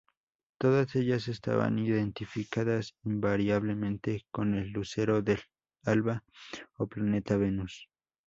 Todas ellas estaban identificadas invariablemente con el lucero del alba o planeta Venus.